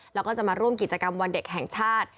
แล้วก็จะมาร่วมกิจกรรมวันเด็กแห่งชาติ